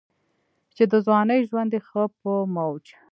چې دَځوانۍ ژوند ئې ښۀ پۀ موج